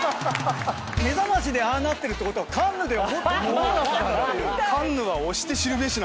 『めざまし』でああなってるってことはカンヌでは。